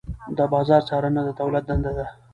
د بازار څارنه د دولت دنده ده.